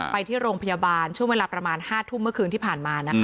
ไปที่โรงพยาบาลช่วงเวลาประมาณ๕ทุ่มเมื่อคืนที่ผ่านมานะคะ